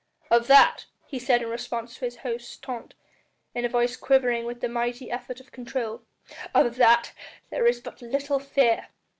"Of that," he said in response to his host's taunt, and in a voice quivering with the mighty effort of control, "of that there is but little fear.